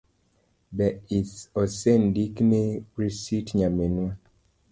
Be osendikni risit nyaminwa?